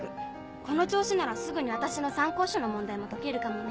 この調子ならすぐに私の参考書の問題も解けるかもね。